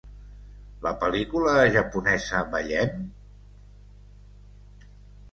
La pel·lícula japonesa "Ballem"?